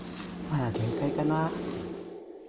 限界かな。